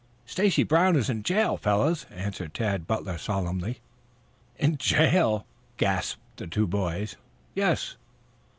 "Stacy Brown is in jail, fellows," answered Tad Butler solemnly. "In jail?" gasped the two boys. "Yes."